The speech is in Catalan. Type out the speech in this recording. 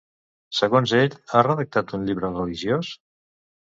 Segons ell, ha redactat un llibre religiós?